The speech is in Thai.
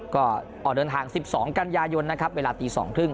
ก็ออกเดินทางสิบสองกันยายนต์นะครับเวลาตีสองครึ่ง